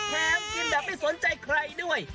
แถมกินแบบไม่สนใจใครด้วย